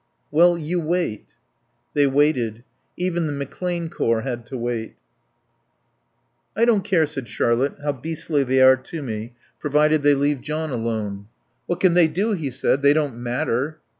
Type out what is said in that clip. "Well You wait." They waited. Even the McClane Corps had to wait. "I don't care," said Charlotte, "how beastly they are to me, provided they leave John alone." "What can they do?" he said. "They don't matter."